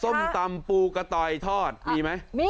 ส้มตำปูกะตอยทอดมีไหม